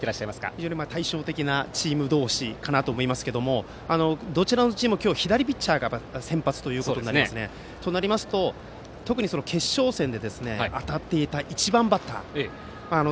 非常に対照的なチーム同士かなと思いますがどちらのチームも今日は左ピッチャーが先発ということでそうなりますと特に決勝戦で当たっていた１番バッターですね。